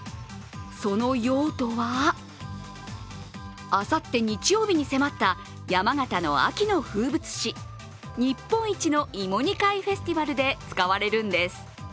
その用途は、あさって日曜日に迫った山形の秋の風物詩日本一の芋煮会フェスティバルで使われるんです。